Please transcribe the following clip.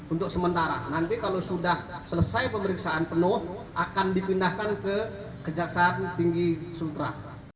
untuk sementara nanti kalau sudah selesai pemeriksaan penuh akan dipindahkan ke kejaksaan tinggi sultra